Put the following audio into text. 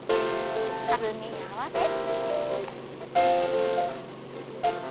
弾みに合わせて。